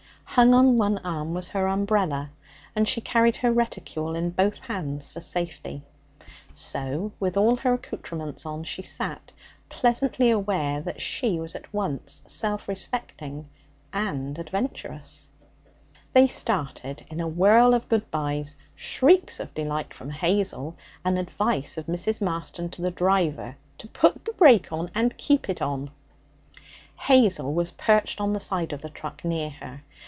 Hung on one arm was her umbrella, and she carried her reticule in both hands for safety. So, with all her accoutrements on, she sat, pleasantly aware that she was at once self respecting and adventurous. They started in a whirl of good byes, shrieks of delight from Hazel, and advice of Mrs. Marston to the driver to put the brake on and keep it on. Hazel was perched on the side of the truck near her.